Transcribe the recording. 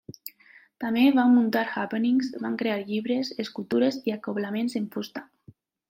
També van muntar happenings, van crear llibres, escultures i acoblaments en fusta.